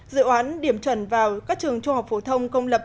dự án điểm chuẩn vào các trường trung học phổ thông công lập